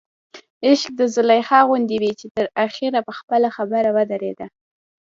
عشق د زلیخا غوندې وي چې تر اخره په خپله خبر ودرېده.